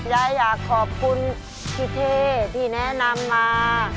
ยายอยากขอบคุณพี่เท่ที่แนะนำมา